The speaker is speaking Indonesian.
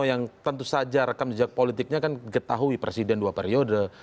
yang tentu saja rekam jejak politiknya kan ketahui presiden dua periode